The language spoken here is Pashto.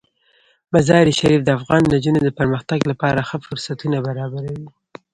مزارشریف د افغان نجونو د پرمختګ لپاره ښه فرصتونه برابروي.